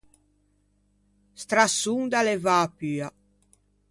Strasson da levâ a pua.